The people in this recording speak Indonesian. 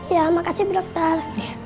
ya makasih bu dokter